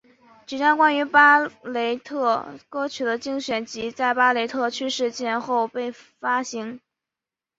几张关于巴雷特歌曲的精选集在巴雷特去世前后被发行。